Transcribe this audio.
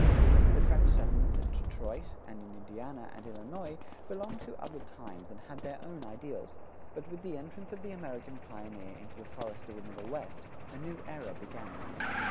The French settlements at Detroit and in Indiana and Illinois belonged to other times and had their own ideals; but with the entrance of the American pioneer into the forest of the Middle West, a new era began.